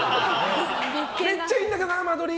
めっちゃいいんだけどな、間取り。